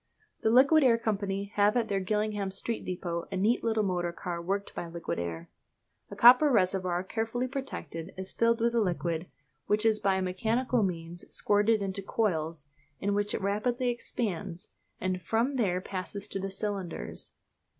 The Liquid Air Company have at their Gillingham Street depôt a neat little motor car worked by liquid air. A copper reservoir, carefully protected, is filled with the liquid, which is by mechanical means squirted into coils, in which it rapidly expands, and from them passes to the cylinders.